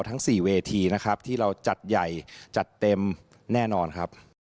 ทั้ง๔เวทีนะครับที่เราจัดใหญ่จัดเต็มแน่นอนครับ